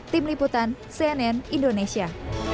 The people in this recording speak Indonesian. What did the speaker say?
tim liputan cnn indonesia